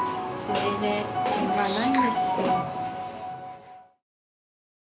しょうがないんですよ。